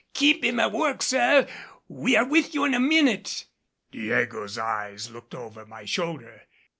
"Keep him at work, sir! we are with you in a minute!" Diego's eyes looked over my shoulder.